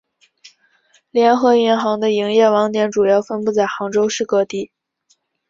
联合银行的营业网点主要分布在杭州市各地。